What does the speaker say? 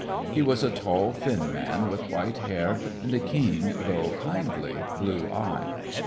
He was a tall, thin man, with white hair and a keen though kindly blue eye.